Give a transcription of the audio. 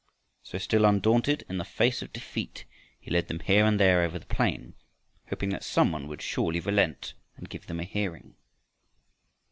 So still undaunted in the face of defeat, he led them here and there over the plain, hoping that some one would surely relent and give them a hearing.